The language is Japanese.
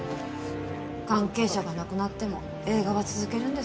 関係者が亡くなっても映画は続けるんですね。